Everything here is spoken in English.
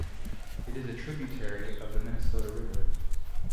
It is a tributary of the Minnesota River.